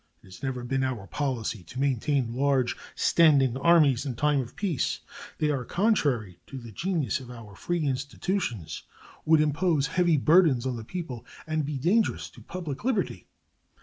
It has never been our policy to maintain large standing armies in time of peace. They are contrary to the genius of our free institutions, would impose heavy burdens on the people and be dangerous to public liberty.